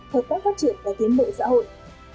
hợp tác phát triển và tiến bộ xã hội